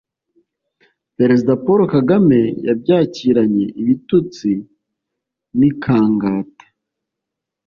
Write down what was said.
perezida paul kagame yabyakiranye ibitutsi n'ikangata